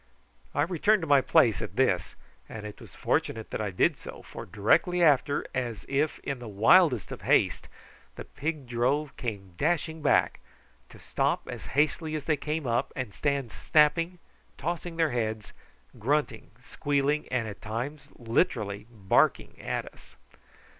I returned to my place at this, and it was fortunate that I did so, for directly after, as if in the wildest of haste, the pig drove came dashing back, to stop as hastily as they came up, and stand snapping, tossing their heads, grunting, squealing, and at times literally barking at us.